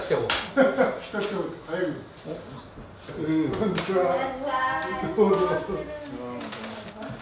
こんにちは。